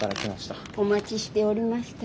お待ちしておりました。